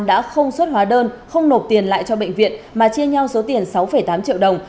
đã không xuất hóa đơn không nộp tiền lại cho bệnh viện mà chia nhau số tiền sáu tám triệu đồng